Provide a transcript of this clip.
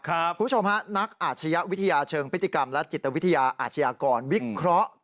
คุณผู้ชมฮะนักอาชญาวิทยาเชิงพฤติกรรมและจิตวิทยาอาชญากรวิเคราะห์